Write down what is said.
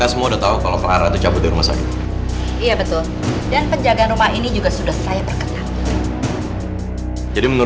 sudah tahan emosi kamu